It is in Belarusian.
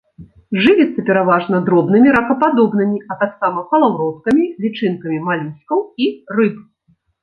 Жывіцца пераважна дробнымі ракападобнымі, а таксама калаўроткамі, лічынкамі малюскаў і рыб.